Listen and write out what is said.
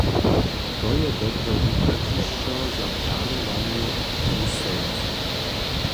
To je dobre wuchadźišćo za planowanu wustajeńcu.